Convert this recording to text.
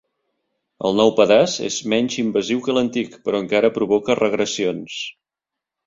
El nou pedaç és menys invasiu que l'antic, però encara provoca regressions.